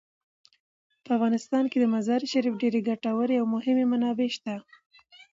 په افغانستان کې د مزارشریف ډیرې ګټورې او مهمې منابع شته.